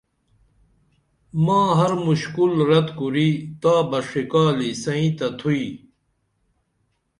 ما ہر مُشکُل رد کُری تابہ ݜکالی سئیں تہ تھوئی